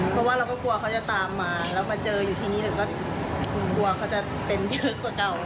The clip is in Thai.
เพราะว่าเราก็กลัวเขาจะตามมาแล้วมาเจออยู่ที่นี่เดี๋ยวก็คุณกลัวเขาจะเป็นเยอะกว่าเก่า